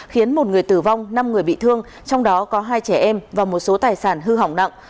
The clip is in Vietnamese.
khiến một người tử vong năm người bị thương trong đó có hai trẻ em và một số tài sản hư hỏng nặng